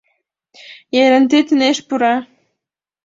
Еренте «тынеш» пура